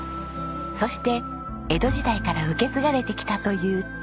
そして江戸時代から受け継がれてきたという七島藺。